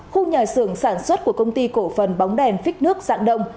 khu nhà xưởng sản xuất của công ty cổ phần bóng đèn phích nước dạng đông